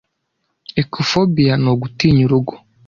Ecophobia ni ugutinya Urugo